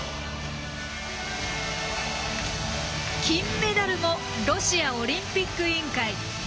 金メダルもロシアオリンピック委員会。